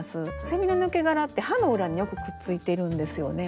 セミの抜け殻って葉の裏によくくっついているんですよね。